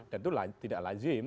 dan itu tidak lazim